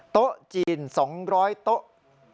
โต๊ะจีน๒๐๐โต๊ะ